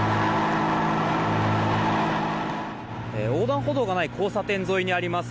横断歩道がない交差点沿いにあります